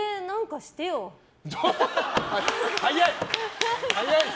早い！